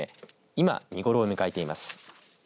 今、見頃を迎えています。